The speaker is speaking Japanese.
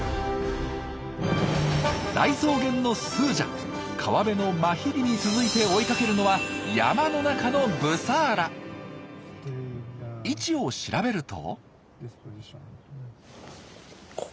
大草原のスージャ川辺のマヒリに続いて追いかけるのは位置を調べると。